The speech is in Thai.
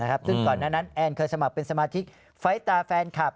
ซึ่งก่อนนั้นแอนเคยสมัครเป็นสมาธิฟ้ายตาแฟนคลับ